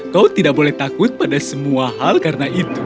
kau tidak boleh takut pada semua hal karena itu